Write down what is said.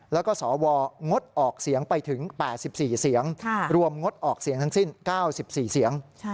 แล้วก็สวงดออกเสียงไปถึง๘๔เสียงรวมงดออกเสียงทั้งสิ้น๙๔เสียง